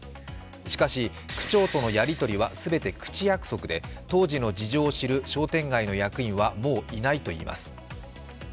しかし、区長とのやり取りは全て口約束で、当時の事情を知る商店街の役員はもういないといいます。